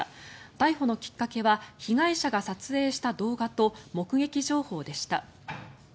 逮捕のきっかけは被害者が撮影した動画と目撃情報でした。